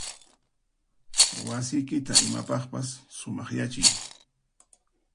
Wasiykita imapaqpas sumaqyachiy.